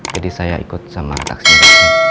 jadi saya ikut sama taksinya